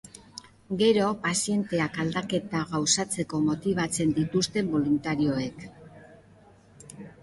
Gero, pazienteak aldaketa gauzatzeko motibatzen dituzte boluntarioek.